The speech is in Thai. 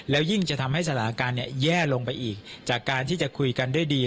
แล้วยิ่งจะทำให้สถานการณ์แย่ลงไปอีกจากการที่จะคุยกันด้วยดี